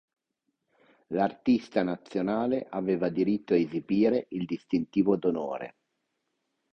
L'artista nazionale aveva diritto a esibire il distintivo d'onore.